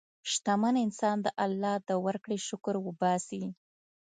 شتمن انسان د الله د ورکړې شکر وباسي.